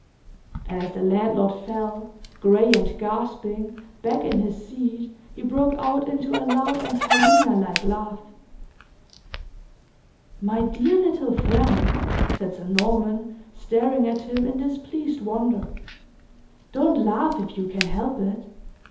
And as the landlord fell, gray and gasping, back in his seat, he broke out into a loud and hyena like laugh. "My dear little friend," said Sir Norman, staring at him in displeased wonder, "don't laugh, if you can help it.